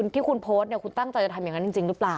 ที่คุณโพสต์เนี่ยคุณตั้งใจจะทำอย่างนั้นจริงหรือเปล่า